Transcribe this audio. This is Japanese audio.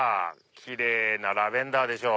キレイなラベンダーでしょ。